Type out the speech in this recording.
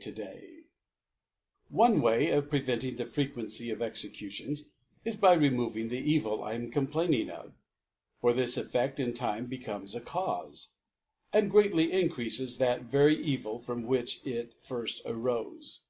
One C ^9' > Orie Way of preventing the Ffeqpency of Executions b by removing the Evil 1 am complaining of: For this Efieft inf Time becomes a Caufe ; and greatly jn crcafes that very Evil from which it flrft arofe.